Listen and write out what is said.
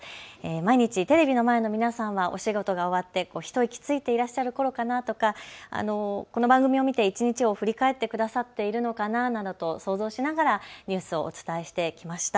毎日テレビの前の皆さんはお仕事が終わって、一息ついていらっしゃるころかなとか、この番組を見て一日を振り返ってくださっているのかななどと想像しながらニュースをお伝えしてきました。